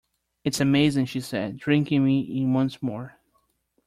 'It's amazing' she said, drinking me in once more.